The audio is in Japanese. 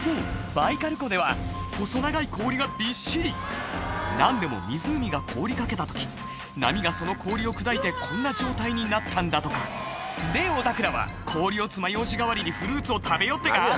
バイカル湖では細長い氷がびっしり何でも湖が凍りかけた時波がその氷を砕いてこんな状態になったんだとかでおたくらは氷をつまようじ代わりにフルーツを食べようってか？